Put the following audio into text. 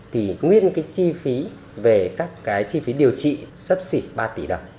thì nguyên cái chi phí về các cái chi phí điều trị sấp xỉ ba tỷ đồng